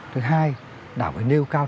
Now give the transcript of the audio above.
thứ hai đảng phải nêu cao